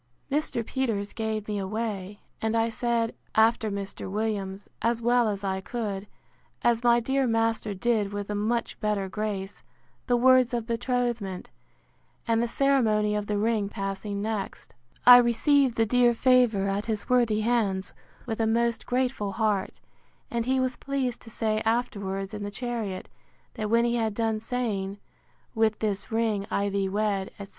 Mr. Peters gave me away; and I said, after Mr. Williams, as well as I could, as my dear master did with a much better grace, the words of betrothment; and the ceremony of the ring passing next, I received the dear favour at his worthy hands with a most grateful heart; and he was pleased to say afterwards in the chariot, that when he had done saying, With this ring I thee wed, etc.